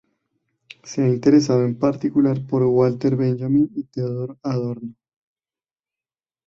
Se ha interesado en particular por Walter Benjamin y Theodor Adorno.